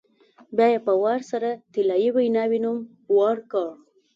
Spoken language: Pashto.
بیا یې په وار سره طلایي ویناوی نوم ورکړ.